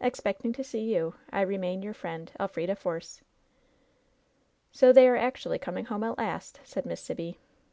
Expecting to see you, I remain your friend, " ^LFBIDA FOEOB.' " "So they are actually coming home at last," said Miss Sibby.